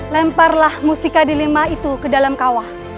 lemparlah musika dilema itu ke dalam kawah